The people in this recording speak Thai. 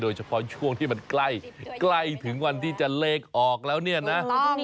โดยเฉพาะช่วงที่มันใกล้ถึงวันที่จะเลขออกแล้วเนี่ยนะ